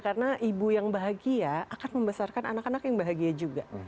karena ibu yang bahagia akan membesarkan anak anak yang bahagia juga